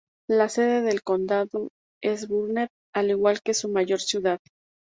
La sede del condado es Burnet, al igual que su mayor ciudad.